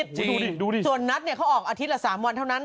เธอนัทแถมนี้ค่อยออกอาทิตย์ละ๓วันเท่านั้น